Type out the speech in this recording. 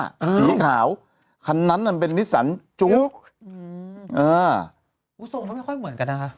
สีขาวคันนั้นมันเป็นนิสสันจุ๊กอืมอ่าอู้ทรงก็ไม่ค่อยเหมือนกันนะคะ